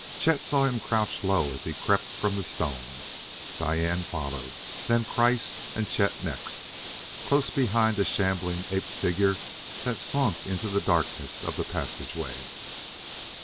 Chet saw him crouch low as he crept from the stone. Diane followed, then Kreiss; and Chet next, close behind a shambling ape figure that slunk into the darkness of the passageway.